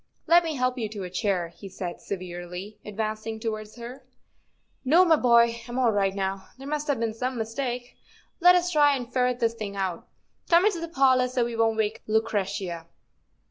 ''Let me help you to a chair," he said severely, advancing towards her. " No, my boy, I'm all right now; there must have been some mistake. Let us try and ferret this thing out. Come into the parlor, so we won't wake Lu¬ cretia."